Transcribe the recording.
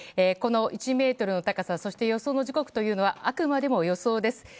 この１ｍの高さそして、予想の時刻というのはあくまでも予想です。